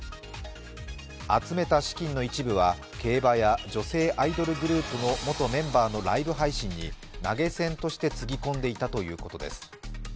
集めた資金の一部は競馬や女性アイドルグループの元メンバーのライブ配信に投げ銭としてつぎ込んでいたということです。